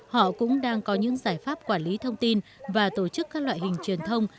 họ cũng đang có những giải pháp quản lý thông tin và tổ chức các loại hình truyền thông